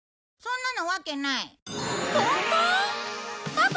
パパ！